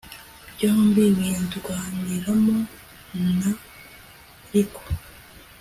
byombi bindwaniramo n ariko